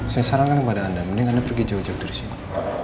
saya sarankan kepada anda mending anda pergi jauh jauh dari sini